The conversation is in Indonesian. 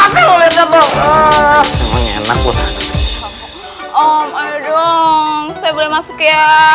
saya boleh masuk ya